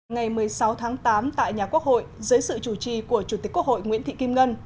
ngày một mươi sáu tháng tám tại nhà quốc hội dưới sự chủ trì của chủ tịch quốc hội nguyễn thị kim ngân